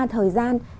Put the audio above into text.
thật là rất là nhiều